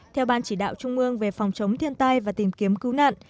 theo ban chỉ đạo trung ương về phòng chống thiên tai và tìm kiếm cứu nạn